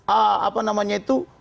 ah apa namanya itu